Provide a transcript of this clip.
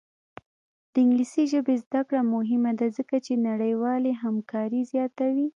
د انګلیسي ژبې زده کړه مهمه ده ځکه چې نړیوالې همکاري زیاتوي.